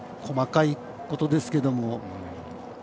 細かいことですけれども。